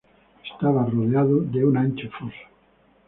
Estaba rodeado de un ancho foso.